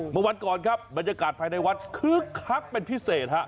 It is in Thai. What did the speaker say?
เมื่อวันก่อนครับบรรยากาศภายในวัดคึกคักเป็นพิเศษฮะ